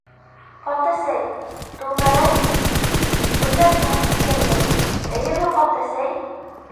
Ҡартәсәй, Тыумәрәс... бүреләр менән киткәндер, эйеме, ҡартәсәй?..